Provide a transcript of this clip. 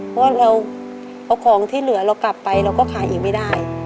เพราะว่าเราเอาของที่เหลือเรากลับไปเราก็ขายอีกไม่ได้